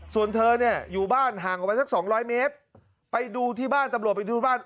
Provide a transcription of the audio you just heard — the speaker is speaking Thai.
ส่วนเธอเนี่ยอยู่บ้านห่างออกไปสักสองร้อยเมตรไปดูที่บ้านตำรวจไปดูบ้าน